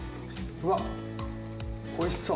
うわっおいしそう！